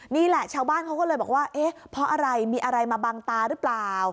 นี่แหละชาวบ้านเขาก็เลยบอกว่าเอ๊ะเพราะอะไรมีอะไรมาบังตาหรือเปล่า